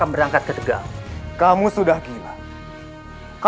aku mau diperkosa dan dirampok